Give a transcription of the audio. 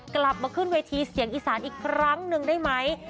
กลับมาขึ้นเวทีเสียงอีสานอีกครั้งหนึ่งได้ไหม